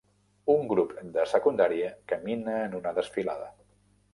Una grup de secundària camina en una desfilada.